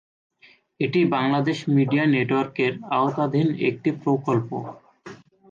এটি বাংলাদেশ মিডিয়া নেটওয়ার্কের আওতাধীন একটি প্রকল্প।